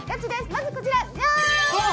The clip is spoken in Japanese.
まずこちら。